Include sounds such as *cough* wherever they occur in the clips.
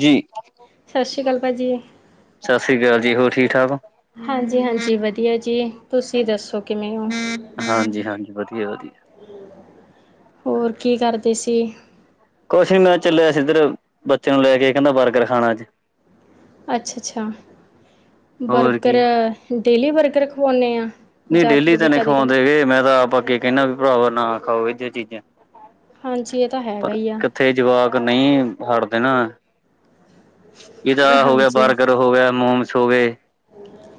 ਜੀ ਸਤਿ ਸ਼੍ਰੀ ਅਕਾਲ ਭਾਜੀ। ਸਤਿ ਸ਼੍ਰੀ ਅਕਾਲ ਜੀ, ਹੋਰ ਠੀਕ ਠਾਕ ਹੋ? ਹਾਂਜੀ ਹਾਂਜੀ ਵਧੀਆ ਜੀ ਤੁਸੀਂ ਦੱਸੋ ਕਿਵੇਂ ਹੋ? ਹਾਂਜੀ ਹਾਂਜੀ ਵਧੀਆ ਵਧੀਆ ਹੋਰ ਕੀ ਕਰਦੇ ਸੀ? ਕੁਛ ਨੀ ਮੈਂ ਚੱਲਿਆ ਸੀ ਇੱਧਰ ਬੱਚਿਆਂ ਨੂੰ ਲੈ ਕੇ ਕਹਿੰਦਾ ਬਰਗਰ ਖਾਣਾ ਅੱਜ। ਅੱਛਾ-ਅੱਛਾ, ਹੋਰ ਬਰਗਰ ਕੀ ਡੇਲੀ ਬਰਗਰ ਖਵਾਉਂਣੇ ਆ? ਨਹੀਂ ਜਾਂ ਡੇਲੀ ਫਿਰ ਤੇ ਵੀ ਨੀ ਕਦੇ-ਕਦੇ ਖਵਾਉਂਦੇ ਹੈਗੇ ਮੈਂ ਤਾਂ ਆਪ ਅੱਗੇ ਕਹਿਣਾ ਵੀ ਭਰਾਵਾ ਨਾ ਖਾਓ ਇਹੇ ਜੀ ਚੀਜ਼ਾਂ। ਹਾਂਜੀ ਇਹ ਤਾਂ ਹੈਗਾ ਹੀ ਆ। ਤੇ ਜਵਾਕ ਨਹੀਂ ਹਟਦੇ ਨਾ। ਇਹਦਾ ਹੋ ਗਿਆ ਹਾਂਜੀ ਬਰਗਰ ਹੋ ਗਿਆ, ਮੋਮਸ ਹੋ ਗਏ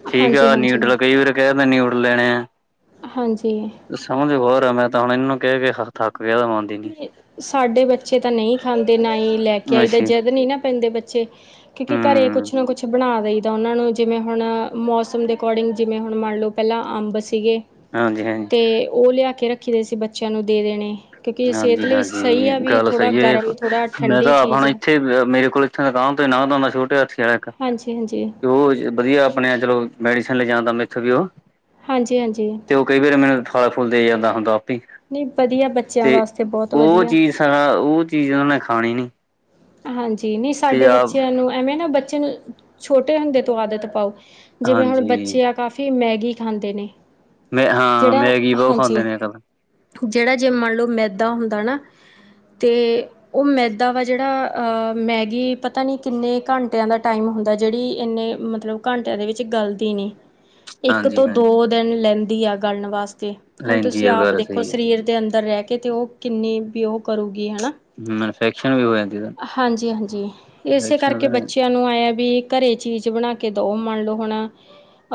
ਠੀਕ ਆ ਹਾਂਜੀ-ਹਾਂਜੀ ਹਾਂਜੀ ਨਿਊਡਲ ਕਈ ਵਾਰ ਕਹਿ ਦਿੰਦੇ ਨਿਊਡਲ ਲੈਣੇ ਆ। ਹਾਂਜੀ। ਸਮਝ *unintelligible* ਆ ਮੈਂ ਤਾਂ ਹੁਣ ਇਹਨੂੰ ਕਹਿ ਕੇ ਥੱਕ ਗਿਆ ਹੁਣ। ਸਾਡੇ ਬੱਚੇ ਤਾਂ ਨਹੀਂ ਖਾਂਦੇ ਨਾ ਹੀ ਲੈ ਕੇ ਆਈਦਾ ਅੱਛਾ ਜਿੱਦ ਨੀ ਨਾ ਪੈਂਦੇ ਬੱਚੇ। ਕਿਉਂਕਿ ਘਰੇ ਹੂੰ ਕੁਛ ਨਾ ਕੁਛ ਕੁਛ ਬਣਾ ਦਈ ਦਾ ਉਹਨਾਂ ਨੂੰ ਜਿਵੇਂ ਹੁਣ ਮੌਸਮ ਦੇ ਅਕੋਰਡਿੰਗ ਜਿਵੇਂ ਹੁਣ ਮੰਨ ਲਓ ਪਹਿਲਾਂ ਅੰਬ ਸੀਗੇ *unintelligible* ਤੇ ਉਹ ਲਿਆ ਕੇ ਰੱਖੀ ਦੇ ਅਸੀ ਬੱਚਿਆਂ ਨੂੰ ਦੇ ਦੇਣੇ। ਕਿਉਂਕਿ ਸਿਹਤ ਹਾਂਜੀ ਲਈ ਸਹੀ ਹਾਂਜੀ ਆ ਵੀ ਗੱਲ ਥੋੜਾ ਸਹੀ ਏ ਗਰਮ ਥੋੜਾ ਮੈਂ ਠੰਡੀ ਤਾਂ ਆਪ ਹੁਣ ਚੀਜ਼ ਆ ਇੱਥੇ ਮੇਰੇ ਕੋਲ ਹਾਂਜੀ ਹਾਂਜੀ *unintelligible* ਆਪਣੇ ਚਲੋ ਮੈਡੀਸਨ ਲੈਜਾਣ ਦਾ ਮੈਥੋਂ ਵੀ ਉਹ ਹਾਂਜੀ-ਹਾਂਜੀ। ਤੇ ਉਹ ਕਈ ਵਾਰੀ ਮੈਨੂੰ ਫਲ-ਫੁਲ ਦੇ ਜਾਂਦਾ ਹੁੰਦਾ ਆਪੀ। ਨਹੀਂ, ਵਧੀਆ ਬੱਚਿਆਂ ਵਾਸਤੇ ਬੋਤ ਵਧੀਆ। ਹਾਂ, ਉਹ ਚੀਜ਼ ਉਹਨਾਂ ਨੇ ਖਾਣੀ ਨੀ। ਹਾਂਜੀ, ਨਹੀਂ ਤੇ ਸਾਡੇ ਆ ਬੱਚਿਆਂ ਨੂੰ ਐਵੇਂ ਨਾ ਬੱਚੇ ਨੂੰ ਛੋਟੇ ਹੁੰਦੇ ਤੋਂ ਆਦਤ ਪਾਓ। ਜਿਵੇਂ ਹੁਣ ਹਾਂਜੀ ਬੱਚੇ ਆ ਕਾਫੀ ਮੈਗੀ ਖਾਂਦੇ ਨੇ। ਮੈਂ ਹਾਂ, ਜਿਹੜਾ ਮੈਗੀ ਬਹੁਤ ਖਾਂਦੇ ਹਾਂਜੀ ਨੇ ਐ *unintelligible* ਜਿਹੜਾ ਜੇ ਮੰਨ ਲੋ ਮੈਦਾ ਹੁੰਦਾ ਨਾ ਤੇ ਉਹ ਮੈਦਾ ਵਾ ਜੇੜਾ ਆ ਮੈਗੀ ਪਤਾ ਨਹੀਂ ਕਿੰਨੇ ਘੰਟਿਆਂ ਦਾ ਟਾਈਮ ਹੁੰਦਾ ਜਿਹੜੀ ਇੰਨੇ ਮਤਲਬ ਘੰਟਿਆਂ ਦੇ ਵਿੱਚ ਗਲਦੀ ਨੀ। ਇੱਕ ਤੋਂ ਹਾਂਜੀ-ਹਾਂਜੀ ਦੋ ਦਿਨ ਲੈਂਦੀ ਆ ਗਲਨ ਵਾਸਤੇ, ਹੁਣ ਲੈਂਦੀ ਤੁਸੀਂ ਆ ਆਪ ਗੱਲ ਦੇਖੋ ਸਹੀ ਆ ਸਰੀਰ ਦੇ ਅੰਦਰ ਰਹਿ ਕੇ ਤੇ ਉਹ ਕਿੰਨੀ ਵੀ ਉਹ ਕਰੂਗੀ ਹਨਾ *unintelligible* ਫੈਕਸ਼ਨ ਵੀ ਹੋ ਜਾਂਦੀ ਨਾ। ਹਾਂਜੀ-ਹਾਂਜੀ, ਏਸੇ ਕਰਕੇ ਨਾਲ ਬੱਚਿਆਂ ਨੂੰ ਏ ਵੀ ਕਰੇ ਚੀਜ਼ ਬਣਾ ਕੇ ਦੋ, ਮੰਨ ਲੋ ਹੁਣ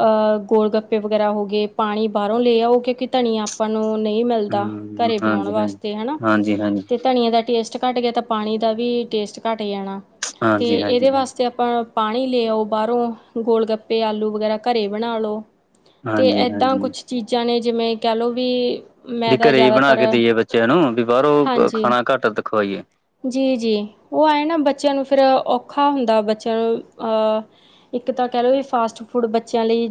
ਅ ਗੋਲ-ਗੱਪ ਪੇ ਵਗੈਰਾ ਹੋ ਗਏ ਪਾਣੀ ਬਾਹਰੋਂ ਲੈ ਆਓ, ਕਿਉਂਕਿ ਧਨੀਆ ਆਪਾਂ ਨੂੰ ਨਹੀਂ ਮਿਲਦਾ ਹੂੰ ਕਰੇ ਬਣਾਉਣ ਹਾਂਜੀ-ਹਾਂਜੀ ਵਾਸਤੇ ਹਨਾ, ਹਾਂਜੀ-ਹਾਂਜੀ, ਤੇ ਧਨੀਆ ਦਾ ਟੇਸਟ ਘਟ ਗਿਆ ਤਾਂ ਪਾਣੀ ਦਾ ਵੀ ਟੇਸਟ ਘੱਟ ਜਾਣਾ ਹਾਂਜੀ-ਹਾਂਜੀ, ਇਹਦੇ ਵਾਸਤੇ ਅ ਪਾਨੀ ਲੇ ਆਓ ਬਾਹਰੋਂ ਗੋਲ- ਗੱਪੇ, ਆਲੂ ਵਗੈਰਾ ਘਰੇ ਬਨਾ ਲੋ। ਤੇ ਏਦਾਂ ਹਾਂਜੀ-ਹਾਂਜੀ। ਕੁਛ ਚੀਜਾ ਨੇ ਜਿਵੇਂ ਕੈ ਲੋ ਵੀ ਮੈਂ ਵੀ ਤਾਂ ਘਰੇ ਹੀ ਬਨਾ ਜ਼ਿਆਦਾਤਰ ਕੇ ਦੇਈਏ ਬੱਚੇਆਂ ਨੂੰ ਵੀ ਬਾਹਰੋਂ ਹਾਂਜੀ ਖਾਨਾ ਘੱਟ ਖਵਾਈਏ। ਜੀ ਜੀ, ਉਹ ਆਂਏ ਨਾ ਬੱਚੇਆਂ ਨੂੰ ਫੇਰ ਔਖਾ ਹੁੰਦਾ ਬੱਚੇਆਂ ਨੂੰ ਅਹ ਇੱਕ ਤਾਂ ਕਹ ਲੋ ਵੀ ਫਾਸਟ-ਫੂਡ ਬੱਚੇਆਂ ਲਈ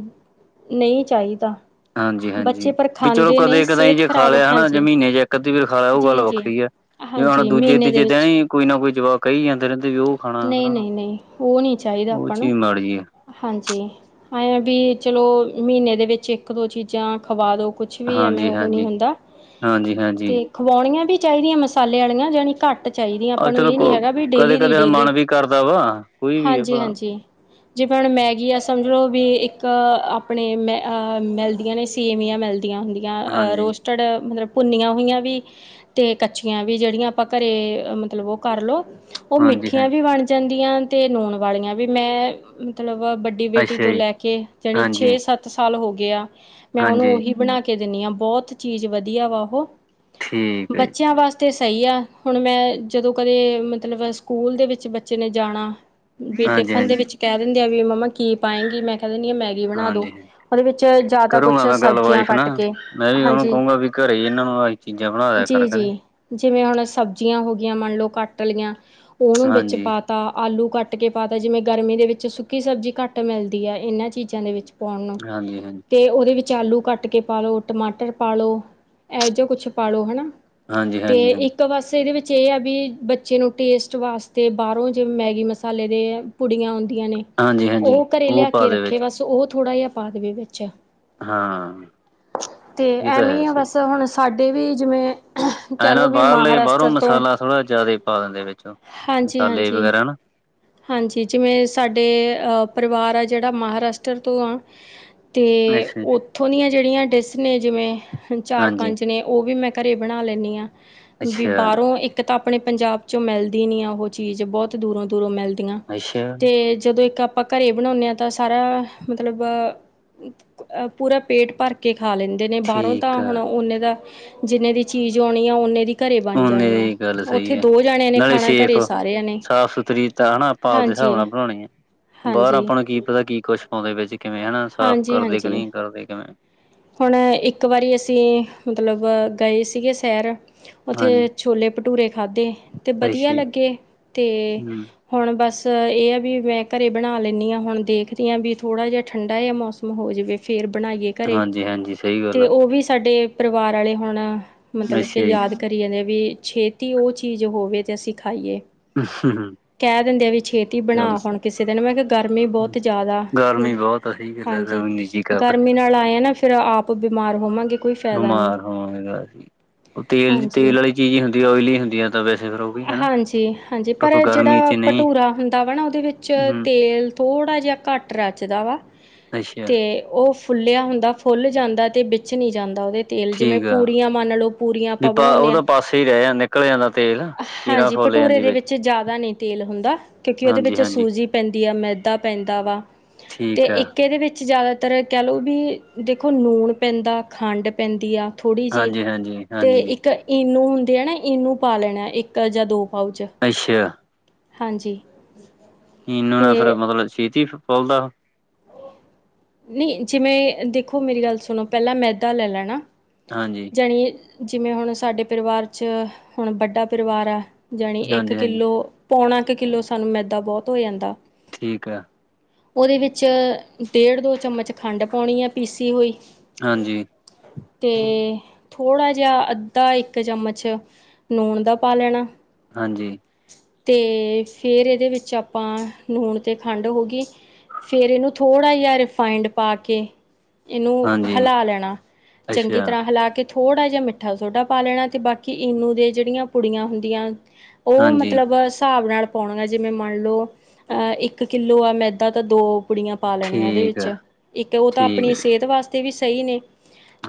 ਨਈ ਚਾਈਦਾ। ਹਾਂਜੀ ਹਾਂਜੀ, ਵੀ ਚਲੋ ਕਦੇ ਕਦਾਈ ਜੇ ਖਾ ਖਰਾਬ ਲਿਆ ਹੈਨਾ ਜੇ ਹਾਂਜੀ ਮਹੀਨੇ ਚੇ ਇੱਕ-ਅੱਧੀ ਵਾਰ ਖਾ ਲਿਆ ੳਹ ਜੀ ਗੱਲ ਜੀ ਵੱਖਰੀ ਏ। ਜਿਵੇਂ ਹੁਨ ਹਾਂਜੀ ਮਹੀਨੇ ਦੇ ਦੂਜੇ-ਤੀਜੇ ਦਿਨ ਵਿੱਚ ਹੀ ਕੋਈ ਨਾ ਕੋਈ ਜਵਾਕ ਕਹੀ ਜਾਂਦੇ ਰਹੰਦੇ ਵੀ ੳਹ ਖਾਨਾ ਨਹੀਂ ਹੈਨਾ, ਨਹੀਂ ਨਹੀਂ ਉਹ ਨਹੀਂ ਚਾਹੀਦਾ ੳਹ ਆਪਾਂ ਚੀਜ ਨੂੰ ਮਾੜੀ ਆ। ਹਾਂਜੀ ਆਂਏ ਆ ਵੀ ਚਲੋ ਮਹੀਨੇ ਦੇ ਵਿੱਚ ਇੱਕ-ਦੋ ਚੀਜਾਂ ਖਵਾ ਦੋ ਕੁਛ ਵੀ ਐਵੇਂ ਹਾਂਜੀ ੳਹ ਨਹੀ ਹਾਂਜੀ ਹੁੰਦਾ ਹਾਂਜੀ ਹਾਂਜੀ ਤੇ ਖਵਾਉਣੀਆਂ ਵੀ ਚਾਈਦੀਆਂ ਮਸਾਲੇ ਆਲੀਆਂ ਜਣੀ ਘੱਟ ਚਾਈਦੀਆਂ ਆਹ ਆਪਾਂ ਨੂੰ ਚਲੋ ਏ ਨੀ ਕੋ ਹੈਗਾ ਵੀ ਕਦੇ ਡੇਲੀ ਦੀ ਕਦੇ ਹੁਣ ਡੇਲੀ, ਮਨ ਵੀ ਕਰਦਾ ਵਾ ਕੋਈ ਵੀ ਆ ਭਲਾ ਹਾਂਜੀ-ਹਾਂਜੀ। ਜਿਵੇਂ ਹੁਨ ਮੈਗੀ ਆ ਸਮਝ ਲੋ ਵੀ ਇੱਕ ਅਪਨੇ ਮੈ ਆ ਮਿਲਦੀਆਂ ਨੇ ਸ ਸੇਵੀਆਂ ਮਿਲਦੀਆਂ ਹੁੰਦੀਆਂ ਅ ਹਾਂਜੀ ਰੋਸਟ ਮਤਲਬ ਭੁੰਨੀਆਂ ਹੋਇਆ ਵੀ ਤੇ ਕੱਚੀਆਂ ਵੀ, ਜੇੜੀਆਂ ਆਪਾਂ ਘਰੇ ਮਤਲਬ ਉਹ ਕਰ ਲੋ, ੳਹ ਹਾਂਜੀ ਮਿੱਠੀਆਂ ਹਾਂਜੀ ਵੀ ਬਨ ਜਾਂਦੀਆਂ ਤੇ ਨੂਣ ਵਾਲੀਆਂ ਵੀ ਮੈਂ ਮਤਲਬ ਡੀ ਬੇਟੀ ਅੱਛਾ ਤੋਂ ਜੀ ਲੈ ਕੇ ਯਾਨਿ ਹਾਂਜੀ ਛੇ, ਸੱਤ ਸਾਲ ਹੋ ਗੇ ਆ, ਮੈਂ ੳਨੂੰ ਹਾਂਜੀ ੳਹੀ ਬਨਾ ਕੇ ਦੇ ਦੇਨੀ ਆ ਬੋਹਤ ਚੀਜ ਵਧੀਆ ਵਾ ਉਹ ਠੀਕ ਹੈ ਜੀ ਬੱਚੇਆਂ ਵਾਸਤੇ ਸਹੀ ਆ ਹੁਨ ਮੈਂ ਜਦੋਂ ਕਦੇ ਮਤਲਬ ਸਕੂਲ ਦੇ ਵਿੱਚ ਬੱਚੇ ਨੇ ਜਾਨਾ ਵੀ ਹਾਂਜੀ ਟਿਫਨ ਦੇ ਹਾਂਜੀ ਵਿੱਚ ਕੈ ਦਿੰਦੇ ਆ ਵੀ ਮੰਮਾ ਕੀ ਪਾਏਗੀ ਮੈਂ ਕੈ ਦੇਨੀ ਆਂ ਮੈਗੀ ਬਣਾ ਦੋ ਹਾਂਜੀ ਉਹਦੇ ਵਿੱਚ ਜ਼ਿਆਦਾ ਕਰੂੰਗਾ ਕੁਛ ਮੈਂ ਗੱਲ ਸਬਜ਼ੀਆਂ ਵਾਈਫ ਨਾ ਕੱਟ ਕੇ ਮੈਂ ਵੀ, ੳਨੂੰ ਹਾਂਜੀ ਕਹੂੰਗਾ ਵੀ ਘਰੇ ਹੀ ਏਨਾਂ ਨੂੰ ਚੀਜਾਂ ਬਨਾ ਲੇ ਜੀ ਕਰ ਘਰੇ ਜੀ ਜਿਵੇਂ ਹੁਨ ਸਬਜੀਆਂ ਹੋ ਗਈਆਂ ਮੰਨ ਲੋ ਕੱਟ ਲੀਆਂ, ੳਨੂੰ ਵਿੱਚ ਹਾਂਜੀ ਪਾ ਤਾਂ ਆਲੂ ਕੱਟ ਕੇ ਪਾ ਤਾ, ਜਿਵੇਂ ਗਰਮੀ ਦੇ ਵਿੱਚ ਸੁੱਕੀ ਸਬਜ਼ੀ ਘੱਟ ਮਿਲਦੀ ਐ ਏਨਾਂ ਚੀਜਾਂ ਦੇ ਵਿੱਚ ਹੁਨ ਹਾਂਜੀ ਹਾਂਜੀ ਤੇ ੳਦੇ ਵਿੱਚ ਆਲੂ ਕੱਟ ਕੇ ਪਾ ਲੋ, ਟਮਾਟਰ ਪਾ ਲੋ, ਏਹੋ ਜੇਹਾ ਕੁਛ ਪਾ ਲੋ ਹੈਨਾ ਹਾਂਜੀ ਹਾਂਜੀ ਤੇ ਹਾਂਜੀ ਇੱਕ ਬਸ ਏਦੇ ਵਿੱਚ ਏਹ ਆ ਵੀ ਬੱਚੇ ਨੂੰ ਟੇਸਟ ਵਾਸਤੇ ਬਾਹਰੋਂ ਜਿਵੇਂ ਮੈਗੀ ਮਸਾਲੇ ਦੇ ਪੁੜੀਆਂ ਆਂਦੀਆਂ ਨੇ ਹਾਂਜੀ ਹਾਂਜੀ ੳਹ ਘਰੇ ਉਹ ਲਿਆ ਪਾ ਕੇ ਦੇ ਰੱਖੇ ਵਿੱਚ ਬਸ ੳਹ ਥੋੜਾ ਜੇਹਾ ਪਾ ਦੇਵੇ ਵਿੱਚ ਹਾਂ ਤੇ ਇਹ ਤਾਂ ਹੈ ਐਂਵੀ ਆ ਸਹੀ ਬਸ ਹੁਨ ਸਾਡੇ ਵੀ ਜਿਵੇਂ ਐ ਕਹਿ ਨਾ ਲਓ ਵੀ ਬਾਹਰਲੇ ਬਾਹਰੋਂ ਮਹਾਰਾਸ਼ਟਰ ਤੋਂ ਮਸਾਲਾ ਥੋੜਾ ਜਾਦਾ ਈ ਪਾ ਦਿੰਦੇ ਵਿੱਚ ੳ, ਹਾਂਜੀ ਮਸਾਲੇ ਹਾਂਜੀ ਵਗੈਰਾ ਨਾ ਹਾਂਜੀ ਜਿਵੇਂ ਸਾਡੇ ਪਰਿਵਾਰ ਆ ਜੇੜਾ ਮਹਾਰਾਸ਼ਟਰ ਤੋਂ ਆ ਤੇ ਅੱਛਾ ੳਥੋਂ ਦੀਆਂ ਜੇਹੜੀਆਂ ਡੈਿਸ ਨੇ ਜਿਵੇਂ ਹਾਂਜੀ ਚਾਰ-ਪੰਜ ਨੇ, ੳਹ ਵੀ ਮੈਂ ਘਰੇ ਬਨਾ ਲੈਨੀ ਆ ਵੀ ਅੱਛਾ ਬਾਹਰੋਂ ਇੱਕ ਤਾਂ ਅਪਨੇ ਪੰਜਾਬ ਚੋ ਮਿਲਦੀ ਨੀ ਆ ੳਹ ਚੀਜ਼ ਬੋਹਤ ਦੂਰੋਂ-ਦੂਰੋਂ ਮਿਲਦੀ ਆ, ਅੱਛਾ ਤੇ ਜਦੋਂ ਇੱਕ ਆਪਾਂ ਘਰੇ ਬਨੋਨੇ ਆ ਤਾਂ ਸਾਰਾ ਮਤਲਬ ਪੂਰਾ ਪੇਟ ਭਰ ਕੇ ਖਾ ਲੈਂਦੇ ਨੇ ਬਾਹਰੋਂ ਤਾਂ ਠੀਕ ਆ ਹੁਨ ਓਨੇ ਦਾ ਜਿੰਨੇ ਦੀ ਚੀਜ ਆਨੀ ਆ ਓਨੇ ਦੀ ਘਰੇ ਬਨ ਹੁਣ ਜਾਨੀ ਆ। ਇਹ ਗੱਲ ਸਹੀ ੳਥੇ ਦੋ ਜਾਨੇਆਂ ਨੇ ਖਾਨਾ ਘਰੇ ਸਾਰੇਆਂ ਨੇ ਸਾਫ- ਸੁਥਰੀ ਤਾਂ ਨਾ ਆਪਾਂ ਆਪਦੇ ਹਾਂਜੀ ਹਿਸਾਬ ਨਾਲ ਬਨਾਨੀ ਏ। ਬਾਹਰ ਹਾਂਜੀ ਆਪਾਂ ਨੂੰ ਕੀ ਪਤਾ ਕੀ ਕੁਛ ਪਾਂਦੇ ਵਿੱਚ ਕਿਵੇਂ ਹੈਨਾ। ਸਾਫ ਕਰਦੇ ਕਿ ਨਈ ਕਰਦੇ ਕਿਵੇਂ ਹੁਨ ਇੱਕ ਵਾਰੀ ਅਸੀਂ ਮਤਲਬ ਗਏ ਸੀਗੇ ਸੈਰ ੳਥੇ ਹਾਂਜੀ ਛੋਲੇ ਭਟੂਰੇ ਖਾਧੇ ਤੇ ਅੱਛਾ ਬਧੀਆ ਜੀ ਲੱਗੇ ਤੇ ਹੂੰ ਹੁਨ ਬਸ ਏ ਆ ਵੀ ਮੈਂ ਘਰੇ ਬਨਾ ਲੈਂਨੀ ਆ ਹੁਨ ਦੇਖਦੀ ਆ ਵੀ ਥੋੜਾ ਜਿਆ ਠੰਡਾ ਏ ਮੌਸਮ ਹੋ ਜਾਵੇ, ਫੇਰ ਬਣਾਈਏ ਘਰ ਹਾਂਜੀ-ਹਾਂਜੀ, ਸਹੀ ਗੱਲ ਅਤੇ ਆ। ਉਹ ਵੀ ਸਾਡੇ ਪਰਿਵਾਰ ਵਾਲੇ ਹੁਣ ਮਤਲਬ ਕੇ ਅੱਛਾ ਜੀ ਯਾਦ ਕਰੀ ਜਾਂਦੇ ਆ, ਵੀ ਛੇਤੀ ਉਹ ਚੀਜ਼ ਹੋਵੇ ਤੇ ਅਸੀਂ ਖਾਈਏ। *unintelligible* ਕਹਿ ਦਿੰਦੇ ਆ, ਵੀ ਛੇਤੀ ਗੱਲ ਬਣਾ ਹੁਣ ਕਿਸੇ ਦਿਨ ਮੈਂ ਕਿਹਾ ਗਰਮੀ ਬਹੁਤ ਜ਼ਿਆਦਾ ਗਰਮੀ ਬਹੁਤ ਆ ਸਹੀ ਗੱਲ ਆ ਹਾਂਜੀ, ਐਵੇਂ ਨੀ ਜੀ ਕਰਦਾ ਗਰਮੀ ਨਾਲ ਆਏ ਆ ਨਾ, ਫੇਰ ਆਪ ਬਿਮਾਰ ਹੋਵਾਂਗੇ‌। *unintelligible* ਉਹ ਤੇਲ-ਤੇਲ ਹਾਂਜੀ। ਵਾਲੀ ਚੀਜ਼ ਹੀ ਹੁੰਦੀ, ਓਈਲੀ ਹੁੰਦੀ ਆ ਤਾਂ ਵੈਸੇ ਉਹ ਵੀ ਕ ਹਾਂਜੀ-ਹਾਂਜੀ। ਪਰ ਜਿਹੜਾ ਭਟੂਰਾ ਹੁੰਦਾ ਵਾ ਨਾ, ਉਹਦੇ ਵਿੱਚ ਹੂੰ ਤੇਲ ਥੋੜ੍ਹਾ ਜਿਹਾ ਘੱਟ ਰਚਦਾ ਵਾ, ' ਅੱਛਾ ਤੇ ਉਹ ਫੁੱਲਿਆ ਹੁੰਦਾ ਫੁੱਲ ਜਾਂਦਾ, ਤੇ ਵਿੱਚ ਨਹੀਂ ਜਾਂਦਾ ਉਹਦੇ ਤੇਲ ਜਿਵੇਂ ਠੀਕ ਆ ਪੂਰੀਆਂ ਮੰਨ ਲਓ ਪੂਰੀਆਂ ਵੀ ਆਪਾਂ ਪਾ ਬਣਾਉਂਦੇ ਆ। ਉਹਦਾ ਪਾਸੇ ਹੀ ਰਹਿ ਜਾਂ ਨਿਕਲ ਜਾਂਦਾ ਤੇਲ ਕੀਰਾਂ ਹਾਂਜੀ, ਫੁੱਲ ਭਟੂਰੇ ਜਾਂਦੀ ਦੇ ਵਿੱਚ ਜ਼ਿਆਦਾ ਨਹੀਂ ਤੇਲ ਹੁੰਦਾ, ਕਿਉਂਕਿ ਉਹਦੇ ਹਾਂਜੀ ਵਿੱਚ ਹਾਂਜੀ ਸੂਜੀ ਪੈਂਦੀ ਆ। ਮੈ ਦਾ ਪੈਂਦਾ ਵਾ, ਤੇ ਠੀਕ ਆ ਇੱਕ ਇਹਦੇ ਵਿੱਚ ਜ਼ਿਆਦਾ ਤਰ ਕਹਿ ਲਓ ਵੀ, ਦੇਖੋ ਲੂਣ ਪੈਂਦਾ ਖੰਡ ਪੈਂਦੀ ਆ। ਥੋੜ੍ਹੀ ਜਿਹੀ ਹਾਂਜੀ ਹਾਂਜੀ ਤੇ ਹਾਂਜੀ ਇੱਕ ਈਨੂੰ ਹੁੰਦੀ ਆ ਨਾ, ਈਨੂੰ ਪਾ ਲੈਣਾ ਇੱਕ ਜਾਂ ਦੋ ਪਾਊਚ ਅੱਛਾ। ਹਾਂਜੀ। ਈਨੂੰ ਨਾ ਫੇਰ ਤੇ ਮਤਲਬ, ਛੇਤੀ ਫੁਲਦਾ। ਨਹੀਂ ਜਿਵੇਂ ਦੇਖੋ, ਮੇਰੀ ਗੱਲ ਸੁਣੋ ਪਹਿਲਾਂ ਮੈਦਾ ਲੈ ਲੈਣਾ। ਹਾਂਜੀ। ਜਾਣੀ ਜਿਵੇਂ ਹੁਣ ਸਾਡੇ ਪਰਿਵਾਰ ਚ ਹੁਣ ਵੱਡਾ ਪਰਿਵਾਰ ਹੈ। ਜਾਣੀ ਇੱਕ ਹਾਂਜੀ ਹਾਂਜੀ ਕਿੱਲੋ ਪੌਣਾ ਕੁ ਕਿੱਲੋ ਸਾਨੂੰ ਮੈਦਾ ਬਹੁਤ ਹੋ ਜਾਂਦਾ। ਠੀਕ ਆ। ਉਹਦੇ ਵਿੱਚ ਡੇਢ ਦੋ ਚਮਚ ਖੰਡ ਪਾਉਣੀ ਹੈ। ਪੀਸੀ ਹੋਈ। ਹਾਂਜੀ। ਤੇ ਥੋੜ੍ਹਾ ਜਿਹਾ ਅੱਧਾ ਇੱਕ ਚਮਚ ਨੂਣ ਦਾ ਪਾ ਲੈਣਾ। ਹਾਂਜੀ। ਅਤੇ ਫਿਰ ਇਹਦੇ ਵਿੱਚ ਆਪਾਂ ਲੂਣ ਅਤੇ ਖੰਡ ਹੋ ਗਈ। ਫਿਰ ਇਹਨੂੰ ਥੋੜ੍ਹਾ ਜਿਹਾ ਰਿਫਾਇੰਡ ਪਾ ਕੇ ਇਹਨੂੰ ਹਾਂਜੀ ਹਿਲਾ ਲੈਣਾ, ਚੰਗੀ ਅੱਛਾ ਤਰ੍ਹਾਂ ਹਿਲਾ ਕੇ ਥੋੜ੍ਹਾ ਜਿਹਾ ਮਿੱਠਾ ਸੋਡਾ ਪਾ ਲੈਣਾ, ਤੇ ਬਾਕੀ ਈਨੂੰ ਦੇ ਜਿਹੜੀਆਂ ਪੁੜੀਆਂ ਹੁੰਦੀਆਂ ਉਹ ਹਾਂਜੀ ਮਤਲਬ ਹਿਸਾਬ ਨਾਲ ਪਾਉਣੀਆ, ਜਿਵੇਂ ਮੰਨ ਲਓ ਅਹ ਇੱਕ ਕਿੱਲੋ ਆ ਮੈਂਦਾਂ ਤਾਂ ਦੋ ਪੁੜੀਆਂ ਪਾ ਲੈਣੀਆਂ, ਉਹਦੇ ਠੀਕ ਵਿੱਚ ਆ ਇੱਕ ਉਹ ਤਾਂ ਠੀਕ ਆਪਣੀ ਆ, ਸਿਹਤ ਵਾਸਤੇ ਵੀ ਸਹੀ ਨੇ।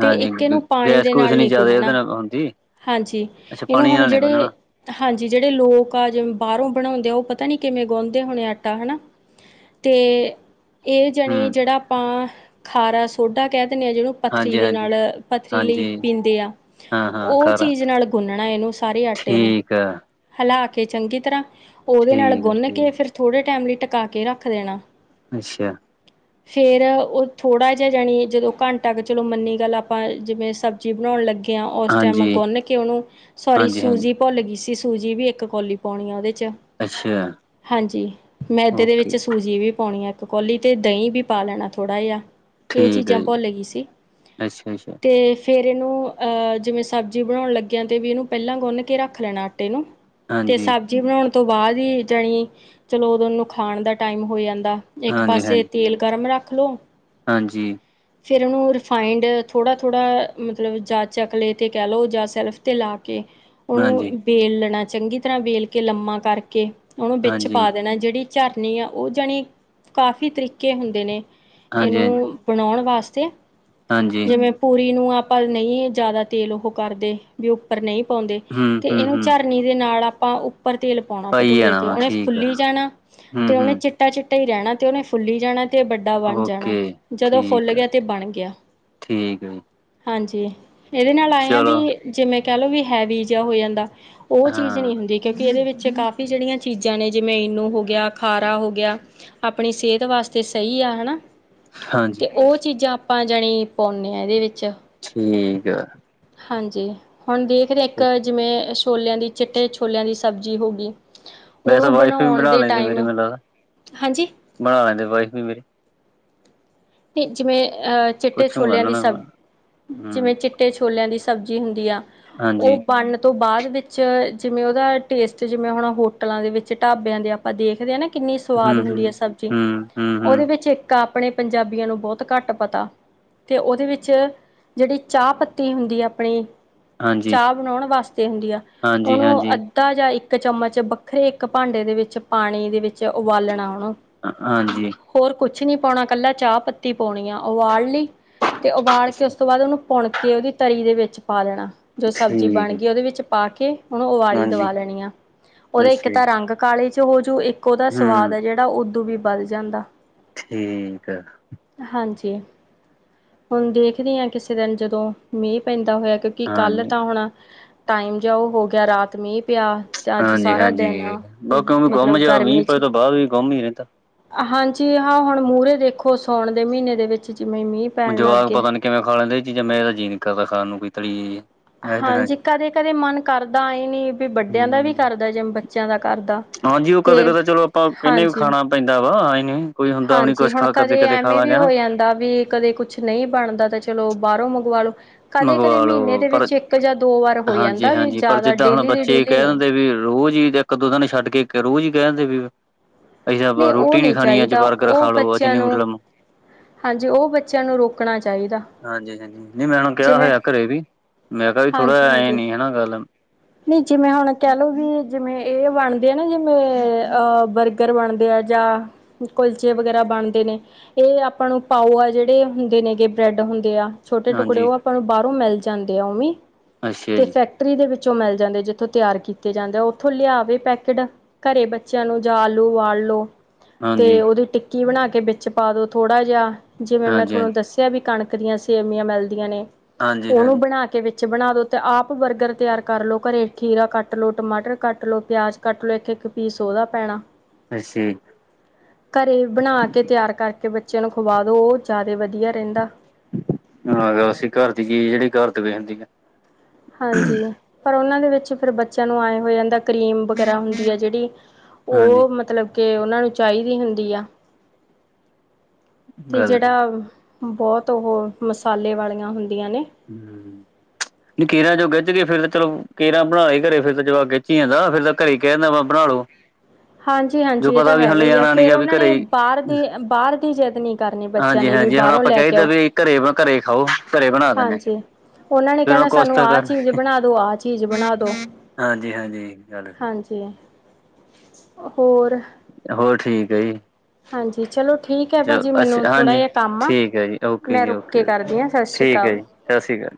ਤੇ ਹਾਂਜੀ ਇੱਕ ਏਨੂੰ ਪਾਣੀ ਗੈਸ ਦੇ ਗੂਸ ਨਾਲ ਨੀ ਨਹੀ ਜ਼ਿਆਦਾ ਉਹਦੇ ਗੁਨਣਾ। ਨਾਲ ਹੁੰਦੀ ਹਾਂਜੀ, ਅੱਛਾ ਇਹਨੂੰ ਪਾਣੀ ਹੁਣ ਨਾਲ ਨੀ ਜਿਹੜੇ ਗੁੰਨਣਾ ਹਾਂਜੀ ਜੀ ਜਿਹੜੇ ਲੋਕ ਬਾਹਰੋਂ ਬਣਾਉਂਦੇ ਆ, ਉਹ ਪਤਾ ਨੀ ਕਿਵੇਂ ਗੁਣ ਦੇ ਹੋਣੇ ਆਟਾ ਹਨਾ। ਤੇ ਇਹ ਹੂੰ ਜਾਣੀ ਜਿਹੜਾ ਆਪਾਂ ਖਾਰਾ ਸੋਡਾ ਕਹਿ ਦਿੰਦੇ ਹਾਂ, ਜਿਹਨੂੰ ਪੱਥਰੀ ਹਾਂਜੀ, ਦੇ ਹਾਂਜੀ, ਨਾਲ ਪੱਥਰੀ ਲਈ ਹਾਂਜੀ ਪੀਂਦੇ ਆ, ਹਾਂ, ਹਾਂ ਉਹ ਖਾਰਾ ਚੀਜ਼ ਨਾਲ ਗੁੰਨਣਾ ਇਹਨੂੰ। ਸਾਰੇ ਆਟੇ ਨੂੰ ਠੀਕ ਆ ਹਿਲਾ ਕੇ ਚੰਗੀ ਤਰ੍ਹਾਂ ਉਹਦੇ ਨਾਲ ਠੀਕ ਆ ਗੁੰਨ ਜੀ ਕੇ ਫਿਰ ਥੋੜੇ ਟਾਈਮ ਲਈ ਟਕਾ ਕੇ ਰੱਖ ਦੇਣਾ। ਅੱਛਾ। ਫੇਰ ਓ ਥੋੜ੍ਹਾ ਜਿਆ ਜਾਣੀ ਜਦੋਂ ਘੰਟਾ ਕੁ ਚਲੋ ਮੰਨੀ ਗੱਲ ਆਪਾਂ ਜਿਵੇਂ ਸਬਜ਼ੀ ਬਣਉਣ ਲੱਗੀ ਗਿਆ ਉਸ ਟਾਈਮ ਹਾਂਜੀ, ਗੁੰਨ ਕੇ ਓਨੂੰ, ਸੋਰੀ ਹਾਂਜੀ, ਹਾਂਜੀ ਸੂਜੀ ਭੁੱਲ ਗਈ ਸੀ। ਤੇ ਸੂਜੀ ਵੀ ਏਕ ਕੌਲੀ ਪਾਉਣੀ ਆ ਓਦੇ ਚ। ਅੱਛਾ ਹਾਂਜੀ, ਮੈਦੇ ਦੇ ਓਕੇ ਵਿੱਚ ਸੂਜੀ ਵੀ ਪਾਉਣੀ ਆ ਏਕ ਕੋਲੀ, ਤੇ ਦਹੀਂ ਵੀ ਪਾ ਲੈਣਾ ਥੋੜ੍ਹਾ ਜਿਆ। ਏ ਠੀਕ ਆ ਚੀਜ਼ਾਂ ਜੀ ਭੁੱਲ ਗਈ ਸੀ, ਅੱਛਾ, ਅੱਛਾ ਤੇ ਫੇਰ ਏਨੂੰ ਅ ਜਿਵੇਂ ਸਬਜ਼ੀ ਬਣਾਉਣ ਲੱਗਿਆ ਤੇ ਵੀ ਇਨੂੰ ਪੈਲਾਂ ਗੁੰਨ ਕੇ ਰੱਖ ਲੈਣਾ ਆਟੇ ਨੂੰ। ਤੇ ਹਾਂਜੀ, ਸਬਜ਼ੀ ਬਣਾਉਣ ਤੋਂ ਬਾਅਦ ਈ ਜਣੀ, ਚਲੋ ਓਦੋਂ ਓਨੂੰ ਖਾਣ ਦਾ ਟਾਈਮ ਹੋ ਜਾਂਦਾ। ਏਕ ਹਾਂਜੀ, ਪਾਸੇ ਹਾਂਜੀ, ਤੇਲ ਗਰਮ ਰੱਖ ਲੋੋ ਹਾਂਜੀ। ਫੇਰ ਉਨੂੰ ਰਿਫਾਈੰਡ ਥੋੜ੍ਹਾ- ਥੋੜ੍ਹਾ ਮਤਲਬ ਜਾਂ ਚਕਲੇ ਤੇ ਕੈ ਲਉ ਜਾਂ ਸੈਲਫ ਤੇ ਲਾ ਕੇ ਹਾਂਜੀ। ਵੇਲਣਾ ਚੰਗੀ ਤਰ੍ਹਾਂ ਵੇਲ ਕੇ ਲੰਮਾ ਕਰਕੇ, ਓਨੂੰ ਵਿੱਚ ਪਾ ਹਾਂਜੀ, ਦੇਣਾ ਜੇੜੀ ਝਰਨੀ ਆ ਓ ਜਣੀ ਕਾਫੀ ਤਰੀਕੇ ਹੁੰਦੇ ਨੇ ਏਨੂੰ ਹਾਂਜੀ, ਬਣਾਉਣ ਵਾਸਤੇ, ਹਾਂਜੀ ਜਿਵੇਂ ਪੂਰੀ ਨੂੰ ਆਪਾਂ ਨਈ ਜਾਦਾ ਤੇਲ ਓਹੋ ਕਰਦੇ ਵੀ ਉੱਪਰ ਨਈ ਪਾਉਂਦੇ। ਹੂੰ, ਤੇ ਹੂੰ, ਏਨੂੰ ਹੂੰ ਝਰਨੀ ਦੇ ਨਾਲ ਆਪਾਂ ਉੱਪਰ ਤੇਲ ਪਾਉਣਾ ਪਾਈ ਭਟੂਰੇ ਜਾਣਾ ਤੇ, ਵਾ ਉਨੇ ਠੀਕ ਆ ਫੁੱਲੀ ਜਾਣਾ ਹੂੰ, ਤੇ ਉਨੇ ਹੂੰ ਚਿੱਟਾ- ਚਿੱਟਾ ਈ ਰੈਣਾ ਤੇ ਉਨੇ ਫੁੱਲੀ ਜਾਣਾ ਤੇ ਭ ਟੁਰਾ ਬਣ ਜਾਣਾ, ਓਕੇ ਜਦੋਂ ਠੀਕ ਫੁੱਲ ਆ ਗਿਆ ਤੇ ਬਣ ਗਿਆ। ਠੀਕ ਆ ਜੀ ਹਾਂਜੀ, ਏਦੇ ਨਾਲ ਆ ਐ ਚਲੋ ਵੀ ਜਿਵੇਂ ਕੈ ਲੋ ਵੀ ਹੈਵੀ ਜਿਆ ਹੋ ਜਾਂਦਾ। ਓ ਚੀਜ਼ ਹਾਂ ਨੀ ਹੁੰਦੀ ਕਿਉਂਕਿ ਇਦੇ ਵਿੱਚ ਕਾਫੀ ਜੇੜ੍ਹੀਆਂ ਚੀਜ਼ਾਂ ਨੇ ਜਿਵੇਂ ਇਨੂੰ ਹੋ ਗਿਆ, ਖਾਰਾ ਹੋ ਗਿਆ ਆਪਣੀ ਸਿਹਤ ਵਾਸਤੇ ਸਈ ਆ, ਹਣਾ। ਹਾਂਜੀ ਤੇ ਓ ਚੀਜ਼ਾਂ ਆਪਾਂ ਜਣੀ ਪਾਉਂਨੇ ਆ ਐਦੇ ਵਿੱਚ। ਠੀਕ ਐ। ਹਾਂਜੀ, ਹੁਨ ਦੇਖਰੇ ਏਕ ਜਿਵੇਂ ਛੋਲਿਆਂ ਦੀ, ਚਿੱਟੇ ਛੋਲਿਆਂ ਦੀ ਸਬਜ਼ੀ ਹੋ ਗੀ। ਵੈਸੇ ਓਨੂੰ ਵਾਈਫ ਵੀ ਬਣਾਉਣ ਬਣਾ ਦੇ ਲੈਂਦੀ ਮੇਰੀ ਟਾਈਮ, ਮੈਨੂੰ ਲੱਗਦਾ ਹਾਂਜੀ। ਬਣਾ ਲੈਂਦੇ ਵਾਈਫ ਵੀ ਮੇਰੀ। ਤੇ ਜਿਵੇਂ ਅ ਚਿੱਟੇ ਪੁੱਛੂਗਾ ਛੋਲਿਆਂ ਦੀ ਉਹਨਾਂ ਨੂੰ ਸਬ, ਹੂੰ ਜਿਵੇਂ ਚਿੱਟੇ ਚਿੱਟੇ ਛੋਲਿਆਂ ਦੀ ਸਬਜ਼ੀ ਹੁੰਦੀ ਆ, ਓ ਹਾਂਜੀ ਬੰਣ ਨ ਤੋਂ ਬਾਅਦ ਵਿੱਚ ਜਿਵੇਂ ਉਦਾ ਟੇਸਟ ਜਿਵੇਂ ਹੁਣ ਹੋਟਲਾਂ ਦੇ ਵਿੱਚ, ਢਾਬਿਆਂ ਦੇ ਆਪਾਂ ਦੇਖਦੇ ਆ ਨਾ ਕਿੰਨੀ ਹੂੰ ਸੁਆਦ ਹੂੰ ਹੁੰਦੀ ਏ ਸਬਜ਼ੀ। ਹੂੰ ਹੂੰ ਓਦੇ ਹੂੰ ਵਿੱਚ ਇੱਕ ਆਪਣੇ ਪੰਜਾਬੀ ਬਿਆਂ ਨੂੰ ਬਹੁਤ ਘੱਟ ਪਤਾ, ਤੇ ਓਦੇ ਵਿੱਚ ਜੇੜੀ ਚਾਅ ਪੱਤੀ ਹੁੰਦੀ ਅਪਣੀ ਹਾਂਜੀ ਚਾਅ ਬਣਉਣ ਵਾਸਤੇ ਹੁੰਦੀ ਐ। ਹਾਂਜੀ ਓਨੂੰ ਅ ਹਾਂਜੀ ਅੱਧਾ ਜਾਂ ਇੱਕ ਚਮਚ ਵੱਖਰੇ ਇੱਕ ਭਾਂਡੇ ਦੇ ਵਿੱਚ, ਪਾਣੀ ਦੇ ਵਿੱਚ ਚ ਉਬਾਲਣਾ ਆ, ਹਾਂਜੀ ਹੋਰ ਕੁਛ ਨੀ ਪੌਣਾ ਕੱਲਾ ਚਾਅ ਪੱ ਪੱਤੀ ਪਾਉਣੀ ਆ, ਉਬਾਲ ਲਈ ਤੇ ਉਬਾਲ ਕੇ ਉਸ ਤੋਂ ਬਾਅਦ ਓਨੂੰ ਪੁਣ ਕੇ ਉਦੀ ਤਰੀ ਦੇ ਵਿੱਚ ਪਾ ਲੈਣਾ। ਜੋ ਸਬਜ਼ੀ ਠੀਕ ਬਣ ਗਈ ਓਦੇ ਵਿੱਚ ਪਾ ਕੇ ਉਨੂੰ ਉਵਾਲੀ ਹਾਂਜੀ ਦਵਾ ਲੈਣੀ ਆ। ਉਦਾ ਇੱਕ ਅੱਛਾ ਤਾਂ ਰੰਗ ਕਾਲੇ ਚ ਹੋਜੂ, ਇੱਕ ਉਦਾ ਸੁਆਦ ਹੂੰ ਆ ਜੇ ਜੇੜਾ ਉਦੂ ਵੀ ਵਧ ਜਾਂਦਾ। ਠੀਕ ਐ। ਹਾਂਜੀ। ਹੁਨ ਦੇਖਦੀ ਆ ਕਿਸੇ ਦਿਨ ਜਦੋਂ ਮੀਂ ਪੈਂਦਾ ਹੋਇਆ ਕਿ ਕਿ ਹਾਂਜੀ ਕੱਲ ਤਾਂ ਹੁਣ ਟਾਈਮ ਜਿਆ ਓ ਹੋ ਗਿਆ ਰਾਤ ਮੀਂ ਪਿਆ। ਤੇ ਅੱਜ ਹਾਂਜੀ ਸਾਰਾ ਦਿਨ, ਹਾਂਜੀ ਬਾਕੀ ਉਵੇਂ ਗੁੰਮ ਮਤਲਬ ਜਿਹਾ ਮੀਂਹ ਗਰਮੀ ਚ ਪਏ ਤੋਂ ਬਾਅਦ ਵੀ ਗੁੰਮ ਹੀ ਰਹਿੰਦਾ ਹਾਂਜੀ, ਹਾਂ ਹੁਣ ਮੂਹਰੇ ਦੇਖੋ, ਸਾਉਣ ਦੇ ਮਹੀਨੇ, ਦੇ ਵਿੱਚ ਜਿਵੇਂ ਮੀਂਹ। ਪੈਣ ਲੱਗ ਜਵਾਕ ਗਏ। ਪਤਾ ਨੀ ਕਿਵੇਂ ਖਾ ਲੈਂਦੇ, ਇਹ ਚੀਜ਼ਾਂ ਮੈਰਾ ਤਾਂ ਜੀਅ ਨੀ ਕਰਦਾ ਖਾਣ ਨੂੰ, ਕੋਈ ਤਲੀ ਚੀਜ਼। ਇਹ ਦਿਨਾਂ ਚ ਹਾਂਜੀ, ਕਦੇ-ਕਦੇ ਮਨ ਕਰਦਾ ਏ ਨੀ ਵੱਡਿਆਂ ਦਾ ਵੀ ਹੂੰ ਕਰਦਾ ਜ ਬੱਚਿਆਂ ਦਾ ਕਰਦਾ। ਹਾਂਜੀ ਓ ਤੇ ਕਦੇ-ਕਦੇ ਚਲੋ ਆਪਾਂ ਕਹਿੰਦੇ ਵੀ ਹਾਂਜੀ। ਖਾਣਾ ਪੈਂਦਾ ਆਏ ਨੀ। ਕੋਈ ਹੁੰਦਾ ਵੀ ਨੀ ਹਾਂਜੀ ਕੁਛ ਹੁਣ ਖਾ ਕਦੇ ਖਾ ਐਵੇਂ ਲਾਂਗੇ ਵੀ ਹਨਾ ਹੋ ਜਾਂਦਾ ਵੀ ਕਦੇ ਕੁਛ। ਨਈਂ ਬਣਦਾ ਤੇ ਚਲੋ ਬਾਰੋ ਮੰਗਵਾ ਲੋ। ਕਦੇ-ਕਦੇ ਮੰਗਵਾ ਮਹੀਨੇ ਲੋ ਦੇ ਪਰ, ਵਿੱਚ ਇੱਕ ਜਾਂ ਦੋ ਵਾਰ ਹੋ ਜਾਂਦਾ ਵੀ ਹਾਂਜੀ-ਹਾਂਜੀ ਪਰ ਜ਼ਿਆਦਾ ਜਿੱਦਾਂ ਹੁਣ ਡੇਲੀ ਦੀ ਬੱਚੇ ਡੇਲੀ ਕਹਿ ਨਹੀਂ। ਦਿੰਦੇ ਵੀ ਰੋਜ਼ ਈ ਦੇਖ। ਇੱਕ-ਦੋਂ ਦਿਨ ਛੱਡ ਕੇ ਇੱਕ ਰੋਜ਼ ਈ ਕੈਂਦੇ ਫਿਰ। ਅਸੀਂ ਤਾਂ ਨਹੀਂ ਉਹ ਰੋਟੀ ਨੀ ਨਹੀਂ ਖਣੀ ਅੱਜ ਚਾਹੀਦਾ ਬਰਗਰ ਉਹ ਖਾ ਲਓ ਅੱਜ ਬੱਚਿਆਂ ਨੂੰ ਨੂਡਲਜ਼ ਹਾਂਜੀ, ਓਹ ਬੱਚਿਆਂ ਨੂੰ ਰੋਕਣਾ ਚਾਈਦਾ। ਹਾਂਜੀ-ਹਾਂਜੀ, ਨਈ ਮੈਂ ਓਨ੍ਹਾ ਨੂੰ ਕਿਹਾ ਹੋਇਆ ਘਰੇ ਵੀ, ਮੇਰਾ ਵੀ ਥੋੜ੍ਹਾ ਏ ਨੀ ਇਹ ਗੱਲ। ਨਈ ਜਿਵੇਂ ਹੁਣ ਕਹਿ ਲੋੋ ਵੀ ਜਿਵੇਂ ਇਹ ਬਣਦੇ ਆ ਨਾ ਜਿਵੇਂ ਅ ਬਰਗ ਰ ਬਣਦੇ ਆ ਜਾਂ, ਕੁਲਚੇ ਵਗੈਰਾ ਬਣਦੇ ਨੇ ਇਹ ਆ ਆਪਾਂ ਨੂੰ ਪਾਓ ਆ ਜਿਹੜੇ ਹੁੰਦੇ ਨੇਗੇ ਬ੍ਰੈੱਡ ਹੁੰਦੇ ਆ ਛੋਟੇ ਟੁਕੜੇ ਹਾਂਜੀ ਓਹ ਆਪ। ਪਾਂ ਨੂੰ ਬਾਹਰੋਂ ਮਿਲ ਜਾਂਦੇ ਆ ਓ ਮੀ, ਅੱਛਾ ਤੇ ਜੀ ਫੈਕ ਟਰੀ ਦੇ ਵਿੱਚੋਂ ਮਿਲ ਜਾਂਦੇ ਜਿੱਥੋਂ ਤਿਆਰ ਕੀਤੇ ਜਾਂਦੇ ਉਥੋਂ ਲਿਆਵੇ ਪੈਕਟ। ਘਰੇ ਬੱਚਿਆਂ ਨੂੰ ਜਾ, ਆਲੂ ਉਬਾਲ ਲਓ। ਤੇ ਹਾਂਜੀ ਓਹਦੀ ਟਿੱਕੀ ਬਣਾ ਕੇ ਵਿੱਚ ਪਾ ਦੋ ਥੋੜਾ ਜਿਹਾ, ਜਿਵੇਂ ਮੈਂ ਹਾਂਜੀ ਹਾਂਜੀ ਤੁਹਾਨੂੰ ਦੱਸ ਇਥੇ ਵੀ ਕਣਕ ਦੀਆਂ ਸੇਵੀਆਂ ਮਿਲਦੀਆਂ ਨੇ ਹਾਂਜੀ ਓਨੂੰ ਹਾਂਜੀ ਬਣਾ ਕੇ ਵਿੱਚ ਬਣਾ ਦਉ ਅਤੇ ਆਪ ਬਰਗਰ ਤਿਆਰ ਕਰ ਲਓ ਘਰੇ, ਖੀਰਾ ਕੱਟ ਲਓ, ਟਮਾਟਰ ਕੱਟ ਲਓ, ਪਿਆਜ਼ ਕੱਟ ਲਓ ਇੱਕ-ਇੱਕ ਪੀਸ ਓਦਾ ਪੈਣਾ। ਅੱਛਾ ਜੀ ਘਰੇ ਬਣਾ ਕੇ ਤਿਆਰ ਕਰਕੇ, ਬੱਚਿ ਆਂ ਨੂੰ ਖਵਾ ਦਿਉ ਜ਼ਿਆਦਾ ਵਦੀਆ ਰਹਿੰਦਾ। ਆ ਰੋਸੀਂ ਘਰ ਦੀ ਚੀਜ਼ ਜਿਹੜੀ ਘਰ *unintelligible* ਏ। ਹਾਂਜੀ, ਪਰ ਓਨਾਂ ਦੇ ਵਿੱਚ ਫਿਰ ਬੱਚਿਆਂ ਨੂੰ ਆਏ ਹੋਏ ਜਾਂਦਾ ਕਰੀਮ ਵਗੈਰਾ ਹੁੰਦੀ ਏ ਜਿਹੜੀ ਹਾਂਜੀ ਓ ਮਤਲਬ ਕੇ ਓਨਾਂ ਨੂੰ ਚਾਈਦੀ ਹੁੰਦੀ ਆ। ਤੇ ਗੱਲ ਸਹੀ। ਜਿਹੜਾ, ਬੌਤ ਓਹ ਮਸਾਲੇ ਵਾਲੀਆਂ ਹੁੰਦੀਆਂ ਨੇ। ਹੁੰ, ਹੁੰ। ਖੀਰਾਂ ਜੋ ਗਿੱਝ ਕੇ ਫਿਰ ਚਲੋ ਕੇੇਰਾ ਬਣਾ ਏ ਘਰੇ ਫਿਰ ਜਵਾਕ ਗੱਚਿਆਂ ਦਾ ਫਿਰ ਤਾਂ ਘਰੇ ਕਹਿਣਾ ਵਾ ਬਣਾ ਲਓ। ਹਾਂਜੀ-ਹਾਂਜੀ ਇਹ ਤਾਂ ਹੈਗਾ ਈ ਆ, ਲਿਜਾਣਾ ਨੀ ਫਿਰ ਗਾ ਵੀ ਓਨ੍ਹਾ ਘਰੇ ਨੇ ਹੀ ਬਾਰ ਦੀ ਬਾਰ ਦੀ ਜਿਦ ਨੀ। ਹਾਂਜੀ-ਹਾਂਜੀ ਹੁਣ ਆਪਾਂ ਕਈ ਦਾ ਵੀ ਘਰੇ-ਘਰੇ ਖਾਓ ਘਰੇ ਬਣਾ ਦੇਂਦੇ ਨੇ। ਓਨਾਂ ਨੇ ਕਹਿਣਾ ਸਾਨੂੰ ਆਹ ਚੀਜ਼ ਬਣਾ ਦਓ ਆਹ ਚੀਜ਼ ਬਣਾ ਦਓ। ਹਾਂਜੀ-ਹਾਂਜੀ ਗੱਲ ਸਹੀ ਹਾਂਜੀ। ਹੋਰ। ਹੋਰ ਠੀਕ ਏ ਜੀ। ਹਾਂਜੀ ਚਲੋ ਠੀਕ ਹੈ ਭਾਅ ਚਲ ਜੀ ਮੈਨੂੰ ਅੱਛਾ ਥੋੜ੍ਹਾ ਹਾਂਜੀ, ਜਿਹਾ ਕੰਮ ਆ ਠੀਕ ਏ ਜੀ ਓਕੇ ਮੈਂ ਜੀ ਰੁਕ ਕੇ ਓਕੇ, ਕਰਦੀ ਹਾਂ ਸਤਿ ਸ਼੍ਰੀ ਠੀਕ ਏ ਅਕਾਲ ਜੀ। ਸਾਸਿ ਕਾਲ।